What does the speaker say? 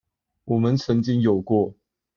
我們曾經有過